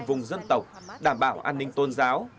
vùng dân tộc đảm bảo an ninh tôn giáo